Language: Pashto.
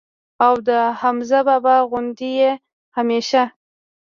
او د حمزه بابا غوندي ئې هميشه